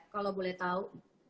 kalau boleh tahu